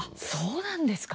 そうなんですか。